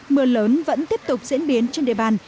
mưa lớn vẫn tiếp tục diễn biến trên địa bàn